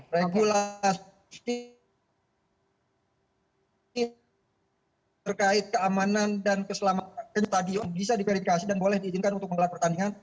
regulasi terkait keamanan dan keselamatan stadion bisa diverifikasi dan boleh diizinkan untuk menggelar pertandingan